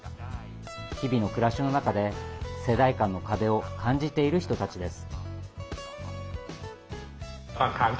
日々の暮らしの中で世代間の壁を感じている人たちです。